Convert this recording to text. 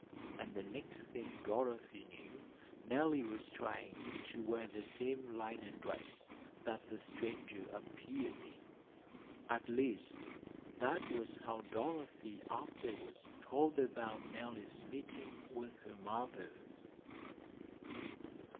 and the next thing Dorothy knew, Nellie was trying to "wear the same linen dress" that the stranger appeared in at least, that was how Dorothy afterwards told about Nellie's meeting with her mother.